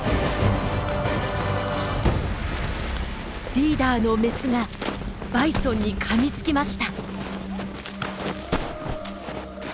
リーダーのメスがバイソンにかみつきました。